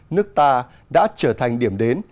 nước ta đã trở thành điểm đến